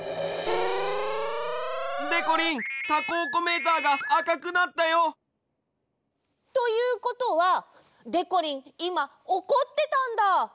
でこりんタコおこメーターがあかくなったよ！ということはでこりんいまおこってたんだ。